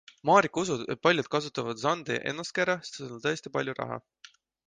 Maarika usub, et paljud kasutavad Zandi ennastki ära, sest tal on tõesti palju raha.